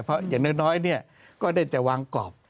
เพราะอย่างน้อยก็ได้แต่วางกรอบ